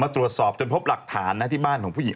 ตรวจสอบจนพบหลักฐานนะที่บ้านของผู้หญิง